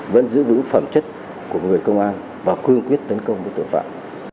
vẫn giữ vững phẩm chất của người công an và cương quyết tấn công với tội phạm